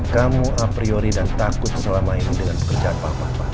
kamu a priori dan takut selama ini dengan pekerjaan papa